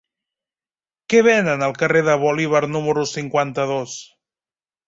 Què venen al carrer de Bolívar número cinquanta-dos?